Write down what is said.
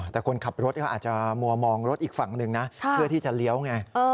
แต่คนขับรถก็อาจจะมัวมองรถอีกฝั่งหนึ่งนะเพื่อที่จะเลี้ยวไง